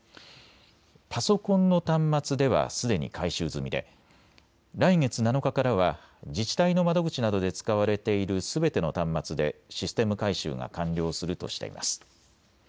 パソコンの端末ではすでに改修済みで来月７日からは自治体の窓口などで使われているすべての端末でシステム改修が完了するとしています。